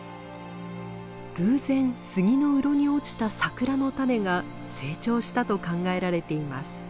偶然スギのうろに落ちたサクラの種が成長したと考えられています。